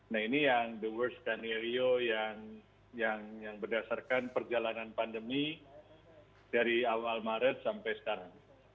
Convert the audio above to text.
nah ini yang the worst skenario yang berdasarkan perjalanan pandemi dari awal maret sampai sekarang